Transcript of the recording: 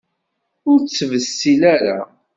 Ur ttbessil ara!